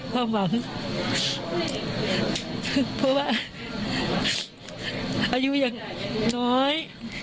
ความหวังเพราะว่าอายุยังน้อย